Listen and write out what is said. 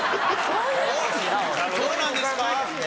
そうなんですか？